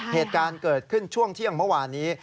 เหตุการณ์เกิดขึ้นช่วงเที่ยงเมื่อวานนี้